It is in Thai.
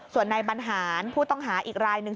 ส่วนในบรรหารผู้ต้องหาอีกรายหนึ่ง